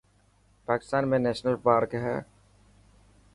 پاڪستان ۾ نيشنل پارڪ هي.